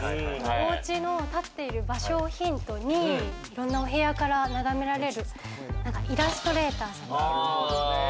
おうちの建っている場所をヒントにいろんなお部屋から眺められるイラストレーターさんとか。